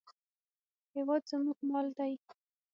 هېواد زموږ مال دی